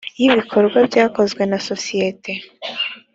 y ibikorwa byakozwe na sosiyite